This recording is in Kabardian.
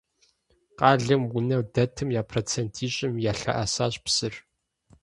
Къалэм унэу дэтым я процент ищӏым ялъэӀэсащ псыр.